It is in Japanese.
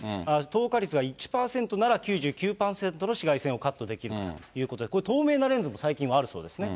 透過率が１％なら９９％の紫外線をカットできるということで、これ、透明なレンズも最近はあるそうですね。